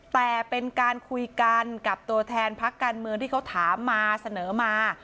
แต่เป็นการคุยกันกับตัวแทนพักการเมืองที่เขาถามมาเสนอมา